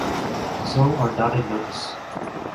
So are dotted notes.